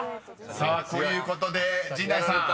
さあということで陣内さん］